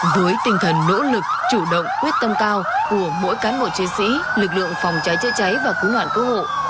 với tinh thần nỗ lực chủ động quyết tâm cao của mỗi cán bộ chiến sĩ lực lượng phòng cháy chữa cháy và cứu nạn cứu hộ